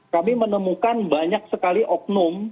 kami menemukan banyak sekali oknum